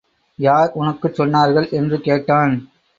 யார் உனக்குச் சொன்னார்கள்? என்று கேட்டான்.